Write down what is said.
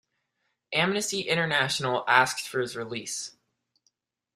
Amnesty International asked for his release.